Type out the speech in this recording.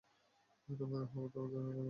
রুমের হাওয়া তো আরো গরম করে দিচ্ছিস।